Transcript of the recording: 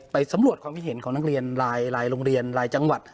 สำรวจความคิดเห็นของนักเรียนรายโรงเรียนรายจังหวัด